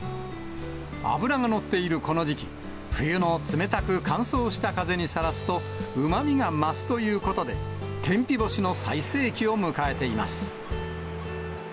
脂が乗っているこの時期、冬の冷たく乾燥した風にさらすとうまみが増すということで、天日干しの最盛期を迎えています。